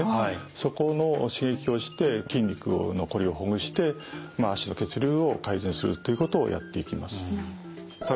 そこの刺激をして筋肉のこりをほぐして足の血流を改善するということをやっていきます。